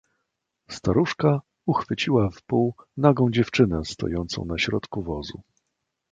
"Staruszka uchwyciła w pół nagą dziewczynę, stojącą na środku wozu."